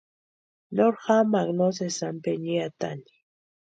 Nori jamaaka no sési ampe niatani.